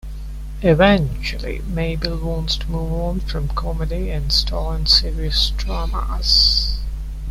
Eventually, Mabel wants to move on from comedy and star in serious dramas.